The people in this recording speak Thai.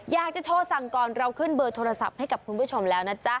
อยากจะโทรสั่งก่อนเราขึ้นเบอร์โทรศัพท์ให้กับคุณผู้ชมแล้วนะจ๊ะ